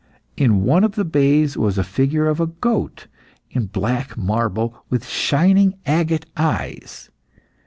In one of the bays was a figure of a goat in black marble, with shining agate eyes.